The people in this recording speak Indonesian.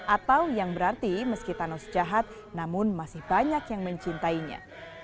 atau yang berarti meski thanos jahat namun masih banyak yang mencintainya